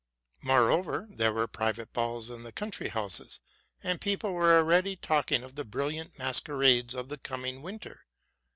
Moreover, there were private balls in the country houses ; and people were already talking of the brilliant masquerades of the coming winter.